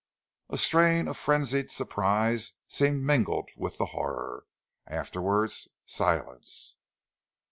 A strain of frenzied surprise seemed mingled with the horror. Afterwards, silence.